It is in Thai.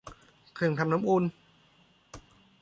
เครื่องทำน้ำอุ่น